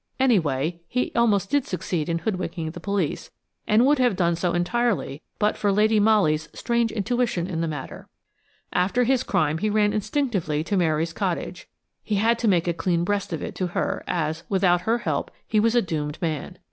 Anyway, he almost did succeed in hoodwinking the police, and would have done so entirely but for Lady Molly's strange intuition in the matter. After his crime he ran instinctively to Mary's cottage. He had to make a clean breast of it to her, as, without her help, he was a doomed man.